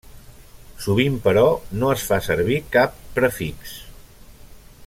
Sovint, però, no es fa servir cap prefix.